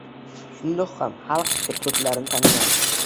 Shundoq ham xalq deputatlarini tanimaydi